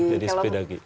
jadi sepeda ge